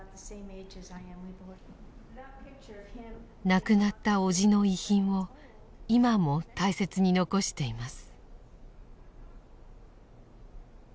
亡くなった伯父の遺品を今も大切に残しています。